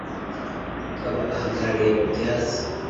akaba ahagarariye ababyaza